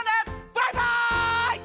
バイバイ！